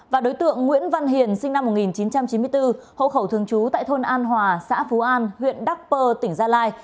và đối tượng nguyễn văn hiền sinh năm một nghìn chín trăm chín mươi bốn hộ khẩu thường trú tại thôn an hòa xã phú an huyện đắc pơ tỉnh gia lai